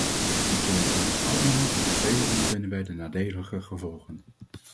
Die kennen we immers allemaal en van vele ondervinden wij de nadelige gevolgen.